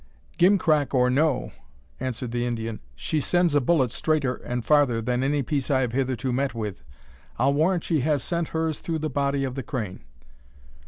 "Gimcrack or no," answered the Indian, "she sends a bullet straighter and farther than any piece I have hitherto met with. I'll warrant she has sent hers through the body of the crane."